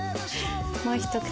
もう一口。